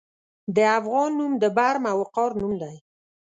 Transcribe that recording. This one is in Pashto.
د افغان نوم د برم او وقار نوم دی.